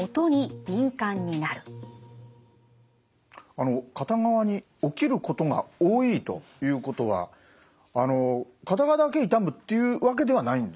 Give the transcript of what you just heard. あの片側に起きることが多いということは片側だけ痛むっていうわけではないんですね。